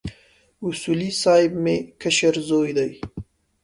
اصولي صیب مې کشر زوی دی.